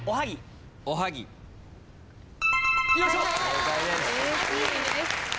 正解です。